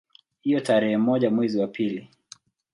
Hivyo tarehe moja mwezi wa pili